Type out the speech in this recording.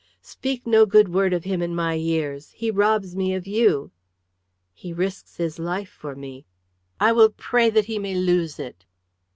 "Speak no good word of him in my ears! He robs me of you." "He risks his life for me." "I will pray that he may lose it."